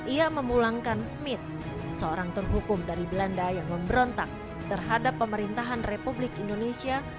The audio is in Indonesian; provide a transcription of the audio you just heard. ia memulangkan smith seorang terhukum dari belanda yang memberontak terhadap pemerintahan republik indonesia